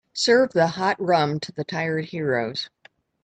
Serve the hot rum to the tired heroes.